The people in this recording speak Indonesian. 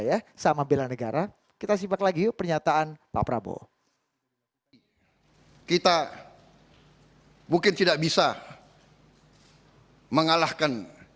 ya sama bela negara kita simak lagi yuk pernyataan pak prabowo kita mungkin tidak bisa mengalahkan